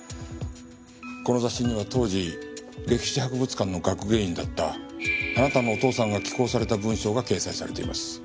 この雑誌には当時歴史博物館の学芸員だったあなたのお父さんが寄稿された文章が掲載されています。